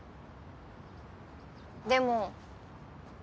でも。